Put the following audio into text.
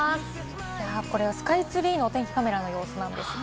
これはスカイツリーのお天気カメラの様子ですが。